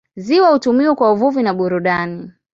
Ziwa hutumiwa kwa uvuvi na burudani.